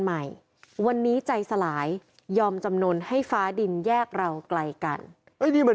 ใหม่วันนี้ใจสลายยอมจำนวนให้ฟ้าดินแยกเราไกลกัน